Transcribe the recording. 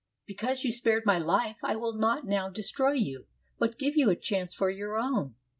"Because you spared my life, I will not now destroy you, but give you a chance for your own.